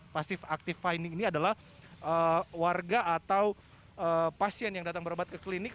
pasif active finding ini adalah warga atau pasien yang datang berobat ke klinik